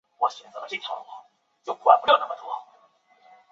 快车停靠的车站多数是端点站或主要转车点。